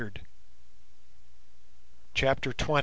CHAPTER XX.